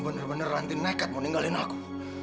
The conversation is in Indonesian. bener bener ranting nekat mau ninggalin aku